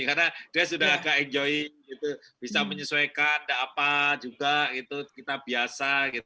karena dia sudah agak enjoy bisa menyesuaikan tidak apa juga kita biasa